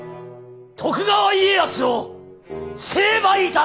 徳川家康を成敗いたす！